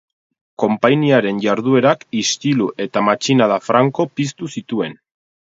Konpainiaren jarduerak istilu eta matxinada franko piztu zituen.